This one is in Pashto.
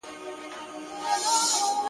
• لا یې هم نېکمرغه بولي د کاڼه اولس وګړي -